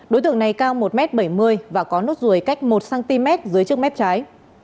đối tượng này cao một m bảy mươi và có nốt ruồi cách một cm dưới trước mép trái